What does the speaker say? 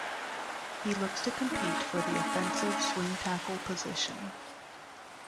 He looks to compete for the offensive swing-tackle position.